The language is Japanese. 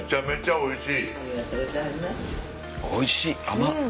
おいしい！